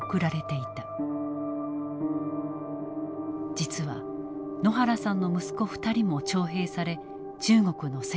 実は野原さんの息子２人も徴兵され中国の戦場へ。